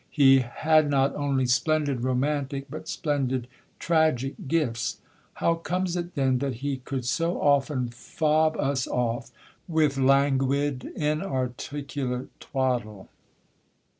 He "had not only splendid romantic, but splendid tragic, gifts. How comes it, then, that he could so often fob us off with languid, inarticulate twaddle?...